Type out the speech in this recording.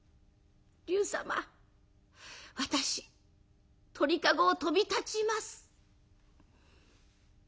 龍様私鳥籠を飛び立ちます」。